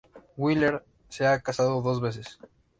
Weller se ha casado dos veces.